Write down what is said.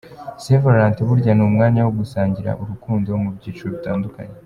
St Valentin burya ni umwanya wo gusangira urukundo mu byiciro bitandukanye.